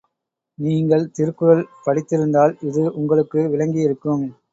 நீங்கள் திருக்குறள் படித்திருந்தால் இது உங்களுக்கு விளங்கியிருக்கும்.